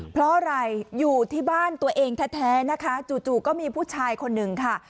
เพราะอะไรอยู่ที่บ้านตัวเองแท้นะคะจู่ก็มีผู้ชายคนหนึ่งค่ะ